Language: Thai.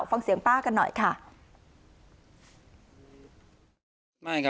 ฟังเสียงป้ากันหน่อยค่ะ